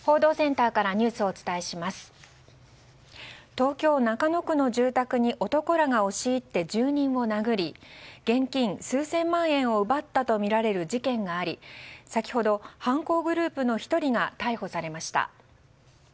東京・中野区の住宅に男らが押し入って、住人を殴り現金数千万円を奪ったとみられる事件があり先ほど、犯行グループの１人が逮捕されました。